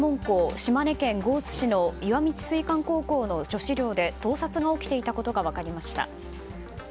島根県江津市の石見智翠館高校の女子寮で盗撮が起きていたことが分かりました。